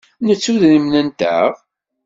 Nettu idrimen-nteɣ?